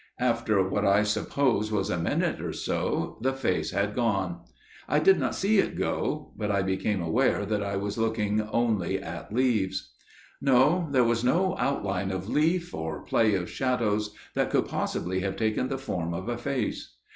"After what I suppose was a minute or so, the face had gone. I did not see it go, but I became aware that I was looking only at leaves. "No; there was no outline of leaf, or play of shadows that could possibly have taken the form of a face.